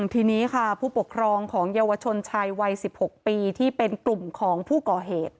ทีนี้ค่ะผู้ปกครองของเยาวชนชายวัย๑๖ปีที่เป็นกลุ่มของผู้ก่อเหตุ